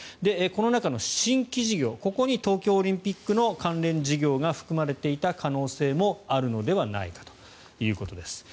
この中の新規事業、ここに東京オリンピックの関連事業が含まれていた可能性もあるのではないかということです。